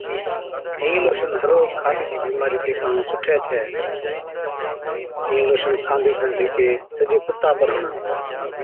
اِين لوشن هر خارسي چِي بِيمارِي چي ڪاڻ سُٺَي ڇَي، اِين لوشن ڪانڌي کن جھِڪي سجي بُتا پر هڻا۔